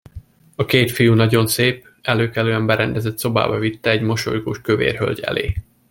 A két fiú nagyon szép, előkelően berendezett szobába vitte, egy mosolygós kövér hölgy elé.